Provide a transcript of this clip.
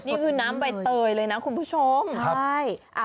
นี่คือน้ำใบเตยเลยนะคุณผู้ชมใช่